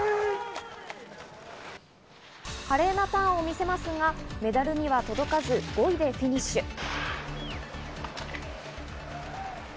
華麗なターンを見せますが、メダルには届かず５位でフィニッシュ。